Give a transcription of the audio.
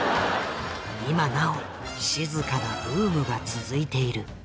今なお静かなブームが続いている。